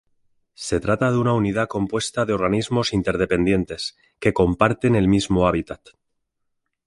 Se trata de una unidad compuesta de organismos interdependientes que comparten el mismo hábitat.